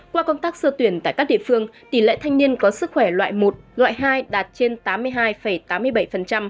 qua công tác sơ tuyển tại các địa phương tỷ lệ thanh niên có sức khỏe loại một loại hai đạt trên tám mươi hai tám mươi bảy